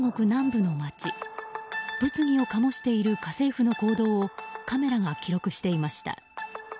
物議を醸している家政婦の行動をカメラが記録していました。